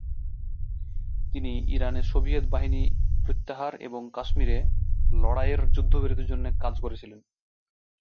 তিনি ইরানে সোভিয়েত বাহিনী প্রত্যাহার এবং কাশ্মীরে লড়াইয়ের যুদ্ধবিরতির জন্য কাজ করেছিলেন।